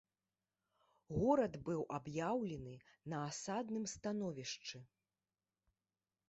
Горад быў аб'яўлены на асадным становішчы.